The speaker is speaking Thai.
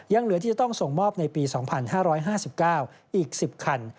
ยังเหลือที่จะต้องส่งมอบในปี๒๕๕๙อีก๑๐คัน